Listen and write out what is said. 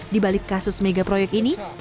di balik kasus mega proyek ini